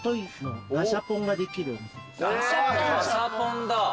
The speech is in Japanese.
ガシャポンだ。